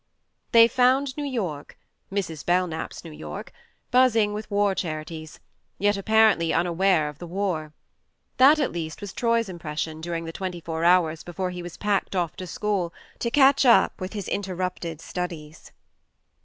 They found New York Mrs. Belk nap's New York buzzing with war charities, yet apparently unaware of the war. That at least was Troy's impres sion during the twenty four hours before he was packed off to school to catch up with his interrupted studies.